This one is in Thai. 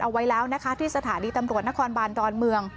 เอาไว้แล้วนะคะที่สถานีตำรวจนครบานดอนเมือง